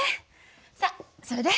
さあそれで？